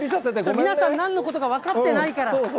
皆さん、なんのことか分かってないから。